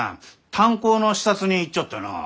炭鉱の視察に行っちょってのう。